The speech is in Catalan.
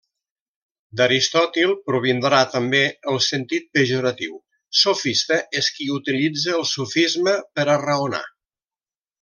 D'Aristòtil, provindrà també el sentit pejoratiu: sofista és qui utilitza el sofisma per a raonar.